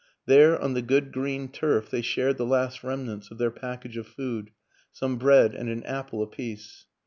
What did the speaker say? There, on the good green turf, they shared the last remnants of their package of food, some bread and an apple apiece.